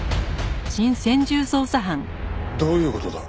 どういう事だ？